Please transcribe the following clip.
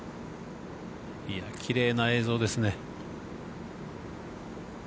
きれいな映像ですね。